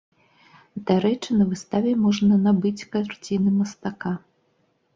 Дарэчы на выставе можна набыць карціны мастака.